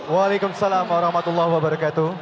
waalaikumsalam warahmatullahi wabarakatuh